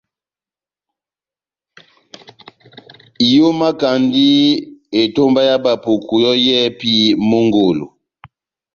Ihomakandi etomba ya Bapuku yɔ́ yɛ́hɛ́pi mongolo.